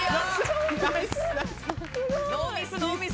ノーミスノーミス！